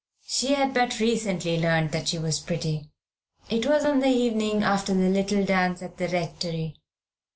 She had but recently learned that she was pretty. It was on the evening after the little dance at the Rectory.